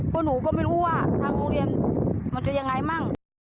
เพราะหนูก็ไม่รู้ว่าทางโรงเรียนมันจะยังไงมั่ง